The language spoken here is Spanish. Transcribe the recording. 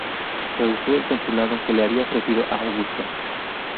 Rehusó el consulado que le había ofrecido Augusto.